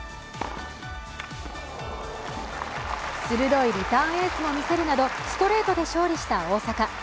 鋭いリターンエースも見せるなどストレートで勝利した大坂。